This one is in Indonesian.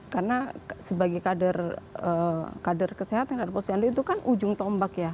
karena sebagai kader kader kesehatan dan posyandu itu kan ujung tombak ya